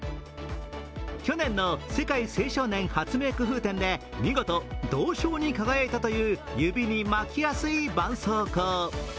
去年の世界青少年発明工夫展で見事、銅賞に輝いたという指にまきやすい絆創膏。